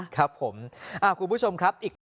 ครับผมคุณผู้ชมครับ